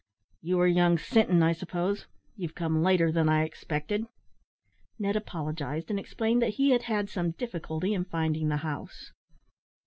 "You are young Sinton, I suppose. You've come later than I expected." Ned apologised, and explained that he had had some difficulty in finding the house.